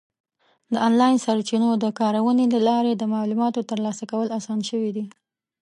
د آنلاین سرچینو د کارونې له لارې د معلوماتو ترلاسه کول اسان شوي دي.